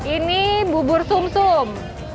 ini bubur sum sum